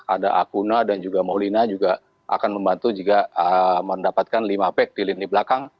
ada akuna dan juga molina juga akan membantu jika mendapatkan lima back di lini belakang